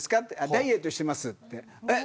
ダイエットしてますって。